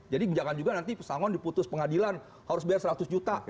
jadi jangan juga nanti pesangon diputus pengadilan harus bayar seratus juta